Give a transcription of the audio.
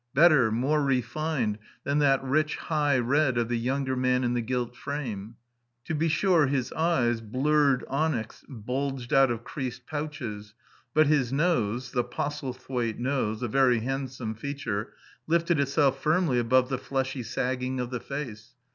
Better, more refined than that rich, high red of the younger man in the gilt frame. To be sure his eyes, blurred onyx, bulged out of creased pouches; but his nose the Postlethwaite nose, a very handsome feature lifted itself firmly above the fleshy sagging of the face.